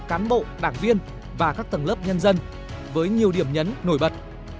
cán bộ đảng viên và các tầng lớp nhân dân với nhiều điểm nhấn nổi bật